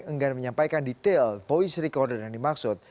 enggan menyampaikan detail voice recorder yang dimaksud